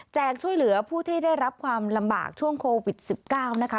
ช่วยเหลือผู้ที่ได้รับความลำบากช่วงโควิด๑๙นะคะ